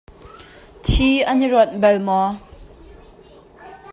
Thi an in rawnh bal maw?